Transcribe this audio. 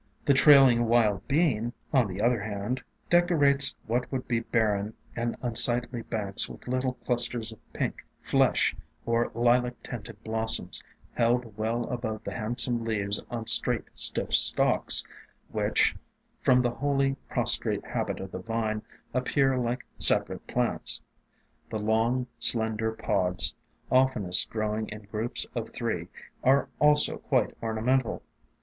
The Trailing Wild Bean, on the other hand, decorates what would be barren and unsightly banks with little clusters of pink, flesh, or lilac tinted blossoms, held well above the handsome leaves on straight, stiff stalks, which, from the wholly pros trate habit of the vine, appear like separate plants. The long, slender pods, oftenest growing in groups of three, are also quite ornamental.